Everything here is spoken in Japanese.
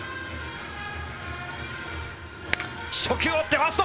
初球を打ってファースト。